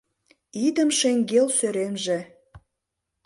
Идым шеҥгел сӧремже